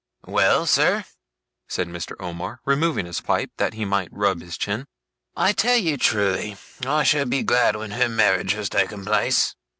'Well, sir,' said Mr. Omer, removing his pipe, that he might rub his chin: 'I tell you truly, I shall be glad when her marriage has taken place.